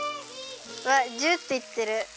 うわっジュっていってる。